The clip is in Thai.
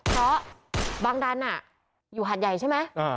เพราะบางดันอยู่หาดใหญ่ใช่ไหม